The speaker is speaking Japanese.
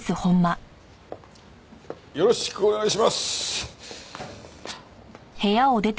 よろしくお願いします。